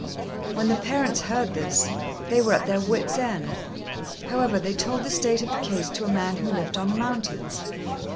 When the parents heard this, they were at their wits' end. However, they told the state of the case to a man who lived on the mountains.